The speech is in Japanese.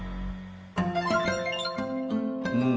うん。